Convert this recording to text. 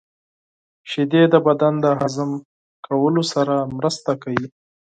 • شیدې د بدن د هضم کولو سره مرسته کوي.